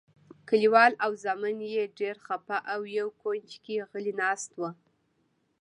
کلیوال او زامن یې ډېر خپه او یو کونج کې غلي ناست وو.